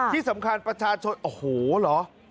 ที่สำคัญประชาชนโอ้โหเหรอ